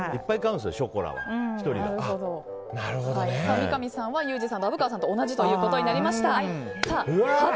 三上さんはユージさんと虻川さんと同じになりました。